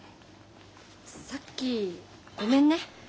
さっきごめんね。